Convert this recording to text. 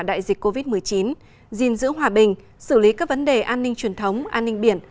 đại dịch covid một mươi chín giữ hòa bình xử lý các vấn đề an ninh truyền thống an ninh biển